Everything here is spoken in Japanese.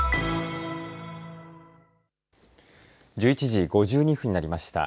１１時５２分になりました。